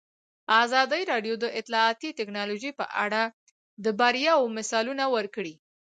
ازادي راډیو د اطلاعاتی تکنالوژي په اړه د بریاوو مثالونه ورکړي.